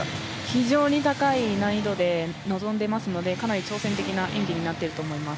非常に高い難易度で臨んでいますのでかなり挑戦的な演技になっていると思います。